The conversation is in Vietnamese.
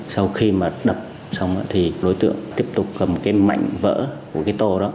sau khi mà đập xong thì đối tượng tiếp tục cầm cái mảnh vỡ của cái tô đó